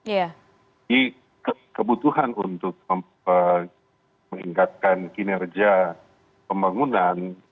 jadi kebutuhan untuk meningkatkan kinerja pembangunan